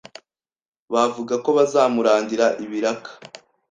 bavuga ko bazamurangira ibiraka